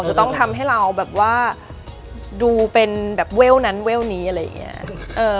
จะต้องทำให้เราแบบว่าดูเป็นแบบเวลนั้นเวลนี้อะไรอย่างนี้